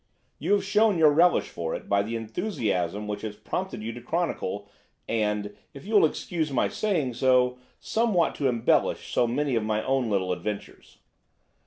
You have shown your relish for it by the enthusiasm which has prompted you to chronicle, and, if you will excuse my saying so, somewhat to embellish so many of my own little adventures."